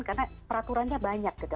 karena peraturannya banyak gitu